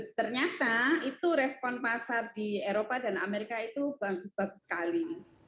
ternyata itu respon pasar di eropa dan amerika itu bagus bagus sekali